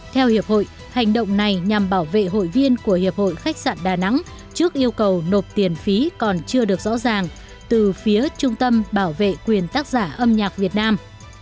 theo hiệp hội hành động này nhằm bảo vệ hội viên của hiệp hội khách sạn đà nẵng trước yêu cầu nộp tiền phí còn chưa được rõ ràng từ phía trung tâm bảo vệ quyền tác giả âm nhạc việt nam